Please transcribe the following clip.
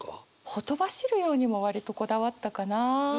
「ほとばしるように」も割とこだわったかな。